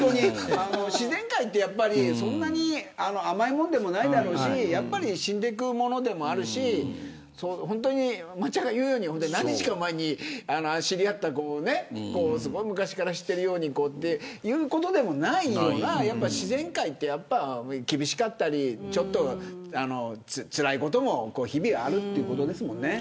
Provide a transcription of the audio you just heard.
自然界ってそんなに甘いもんでもないだろうし死んでいくものでもあるし松ちゃんが言うように何日か前に知り合ったすごい昔から知っているということでもないような自然界って厳しかったりつらいことも日々あるということですもんね。